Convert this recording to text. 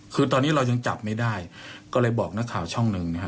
คือตอนนี้เรายังจับไม่ได้ก็เลยบอกนักข่าวช่องหนึ่งนะฮะ